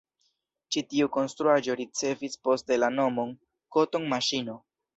Ĉi tiu konstruaĵo ricevis poste la nomon „koton-maŝino“.